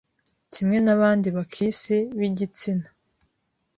Kimwe n abandi Bakisi b igitsina